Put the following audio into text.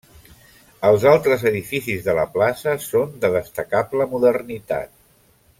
Els altres edificis de la plaça són de destacable modernitat.